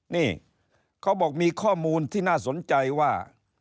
นี่เขาบอกมีข้อมูลที่น่าสนใจว่า